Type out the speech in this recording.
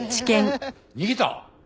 逃げた！？